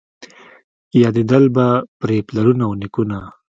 یادېدل به پرې پلرونه او نیکونه